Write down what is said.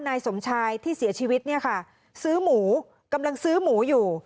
นายสมชายที่เสียชีวิตเนี่ยค่ะซื้อหมูกำลังซื้อหมูอยู่